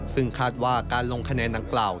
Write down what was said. ซึ่งคาดว่าการลงคะแนนดังกล่าว